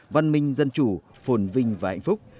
văn minh dân chủ phồn vinh và hạnh phúc